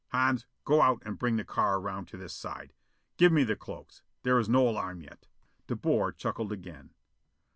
Hans, go out and bring the car around to this side. Give me the cloaks. There is no alarm yet." De Boer chuckled again.